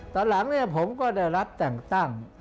ตอนหลังเนี่ยผมก็ได้รับแต่งตั้ง